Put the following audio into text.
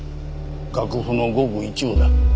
楽譜のごく一部だ。